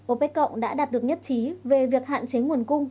opec cộng đã đạt được nhất trí về việc hạn chế nguồn cung